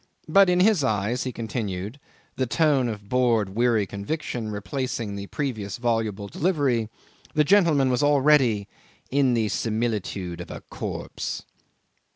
But in his eyes, he continued a tone of bored, weary conviction replacing his previous voluble delivery the gentleman was already "in the similitude of a corpse."